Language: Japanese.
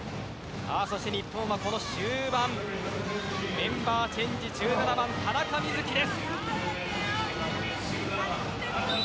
日本は、この終盤メンバーチェンジ１７番、田中瑞稀です。